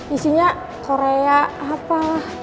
isinya korea apa